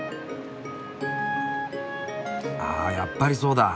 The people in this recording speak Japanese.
あやっぱりそうだ。